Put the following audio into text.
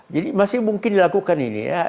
jadi masih mungkin dilakukan ini